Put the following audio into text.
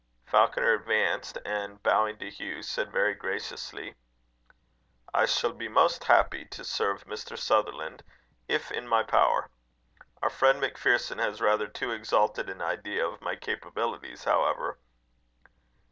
Falconer advanced, and, bowing to Hugh said, very graciously: "I shall be most happy to serve Mr. Sutherland, if in my power. Our friend MacPherson has rather too exalted an idea of my capabilities, however."